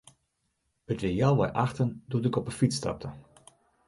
It wie healwei achten doe't ik op 'e fyts stapte.